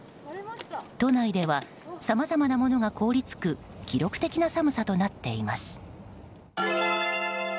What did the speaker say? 都内ではさまざまなものが凍り付く記録的な寒さとなっています。